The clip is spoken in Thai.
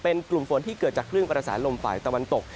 เป็นกลุ่มฝนที่เกิดจากคลื่นกระแสลมฝ่ายตะวันตก